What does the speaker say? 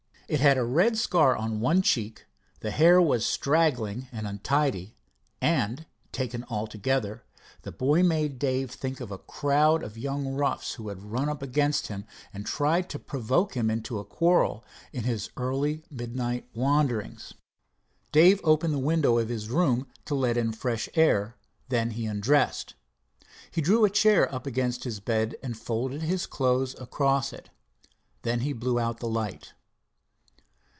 It had a red scar on one cheek, the hair was straggling and untidy, and, taken altogether, the boy made Dave think of a crowd of young roughs who had run up against him and tried to provoke him into a quarrel in his early midnight wanderings. Dave opened the window of the room to let in fresh air, then he undressed. He drew a chair up against his bed and folded his clothes across it. Then he blew out the light.